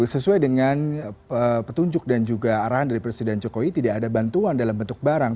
sesuai dengan petunjuk dan juga arahan dari presiden jokowi tidak ada bantuan dalam bentuk barang